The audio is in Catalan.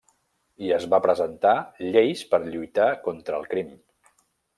I es va presentar lleis per lluitar contra el crim.